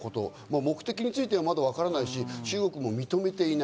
目的についてはまだわからないし、中国も認めていない。